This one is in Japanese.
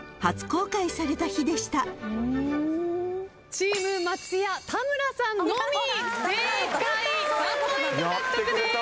チーム松也田村さんのみ正解３ポイント獲得です。